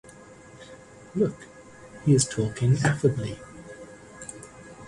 Look, he is talking affably.